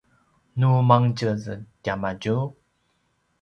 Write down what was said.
nu mangetjez tiamadju